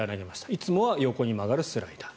いつもは横に曲がるスライダー。